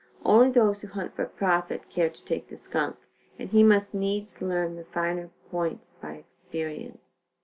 Only those who hunt for profit, care to take the skunk, and he must needs learn the finer points by experience.